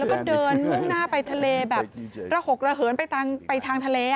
แล้วก็เดินมุ่งหน้าไปทะเลแบบระหกระเหินไปทางทะเล